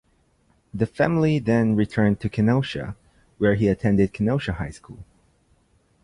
The family then returned to Kenosha, where he attended Kenosha High School.